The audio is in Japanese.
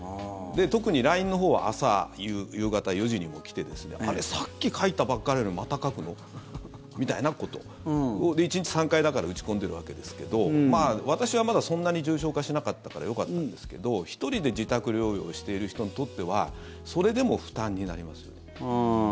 特にＬＩＮＥのほうは朝、夕方４時にも来てあれ、さっき書いたばかりなのにまた書くの？みたいなことを１日３回打ち込んでいるわけですけど私はまだそんなに重症化しなかったからよかったんですけど１人で自宅療養している人にとってはそれでも負担になりますよね。